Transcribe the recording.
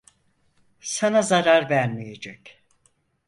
Sana zarar vermeyecek.